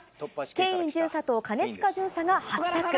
ケイン巡査と兼近巡査が初タッグ。